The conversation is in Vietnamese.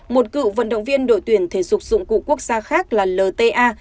một cựu vận động viên đội tuyển thể dục dụng cụ quốc gia khác là lta